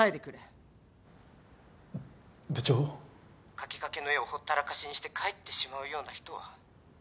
描きかけの絵をほったらかしにして帰ってしまうような人は。